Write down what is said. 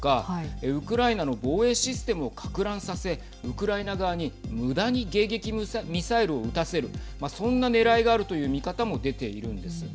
ウクライナの防衛システムをかく乱させウクライナ側にむだに迎撃ミサイルを撃たせるそんなねらいがあるという見方も出ているんです。